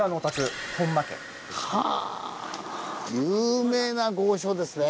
有名な豪商ですね。